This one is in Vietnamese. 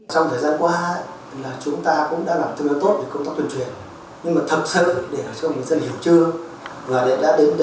trong thời gian qua chúng ta cũng đã làm tương đối tốt với công tác tuyên truyền